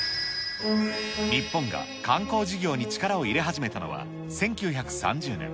日本が観光事業に力を入れ始めたのは、１９３０年。